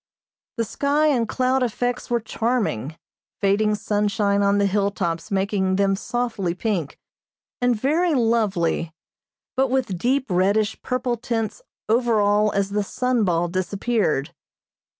The sky and cloud effects were charming, fading sunshine on the hilltops making them softly pink, and very lovely; but with deep reddish purple tints over all as the sun ball disappeared.